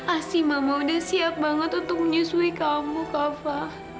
asli mama udah siap banget untuk menyusui kamu kava